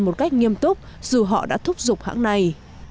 một cách nghiêm túc dù họ đã thúc giục hãng này